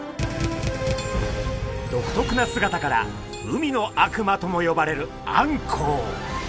独特な姿から海の悪魔とも呼ばれるあんこう。